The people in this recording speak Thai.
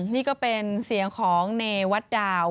นี่ก็เป็นเสียงของเนวัตดาว